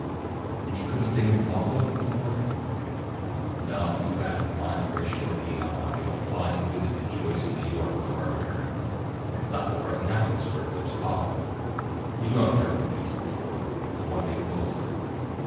"And you couldn't stay longah?" began Lloyd. "No, I'm due back at the mines very shortly, and I want to make a flying visit to Joyce in New York before I return, and stop over at Annapolis for a glimpse of Holland. You know I've never been East before, and I want to make the most of it."